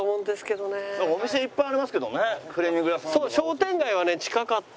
お店いっぱいありますけどね。